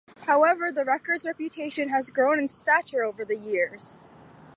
However, the record's reputation has grown in stature over the years.